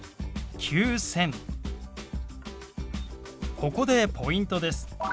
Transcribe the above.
ここでポイントです。